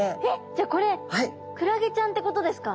じゃあこれクラゲちゃんってことですか？